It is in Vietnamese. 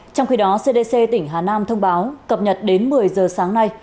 trong khi đó cdc tỉnh hà nam thông báo cập nhật đến một mươi giờ sáng nay